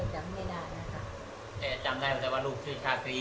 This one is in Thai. เจ๊จำได้ว่าลูกชื่อชาติ